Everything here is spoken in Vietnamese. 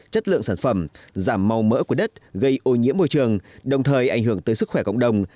chất lượng sản phẩm giảm màu mỡ của đất gây ô nhiễm môi trường đồng thời ảnh hưởng tới sức khỏe cộng đồng